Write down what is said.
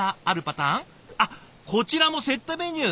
あっこちらもセットメニュー。